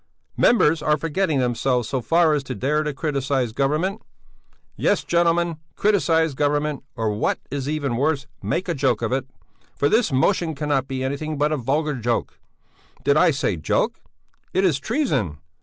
Members are forgetting themselves so far as to dare to criticize Government! Yes, gentlemen, criticize Government, or, what is even worse, make a joke of it; for this motion cannot be anything but a vulgar joke. Did I say joke? It is treason!